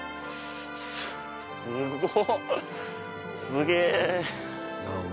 すごっ！